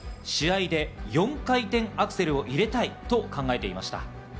試合で４回転アクセルを入れたいと考えていました。